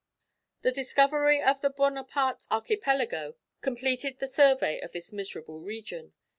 The discovery of the Buonaparte Archipelago completed the survey of this miserable region.